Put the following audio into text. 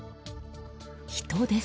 人です。